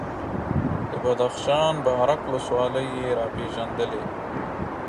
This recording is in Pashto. د بدخشان بارک ولسوالي یې راپېژندلې،